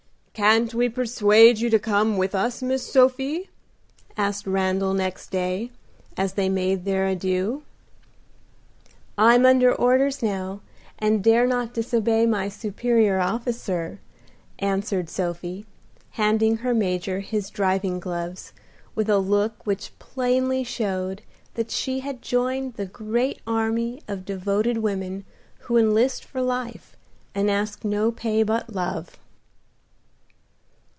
"Can't we persuade you to come with us, Miss Sophie?" asked Randal next day, as they made their adieux. "I'm under orders now, and dare not disobey my superior officer," answered Sophie, handing her Major his driving gloves, with a look which plainly showed that she had joined the great army of devoted women who enlist for life and ask no pay but love.